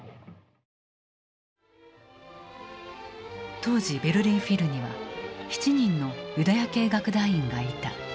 当時ベルリン・フィルには７人のユダヤ系楽団員がいた。